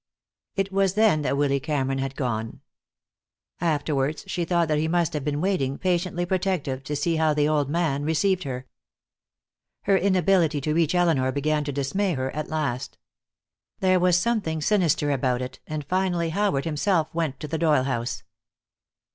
It was then that Willy Cameron had gone. Afterwards she thought that he must have been waiting, patiently protective, to see how the old man received her. Her inability to reach Elinor began to dismay her, at last. There was something sinister about it, and finally Howard himself went to the Doyle house.